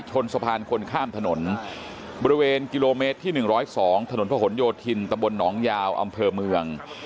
ชนสะพานคนข้ามถนนบริเวณกิโลเมตรที่๑๐๒ถนนพระหลโยธินตำบลหนองยาวอำเภอเมือง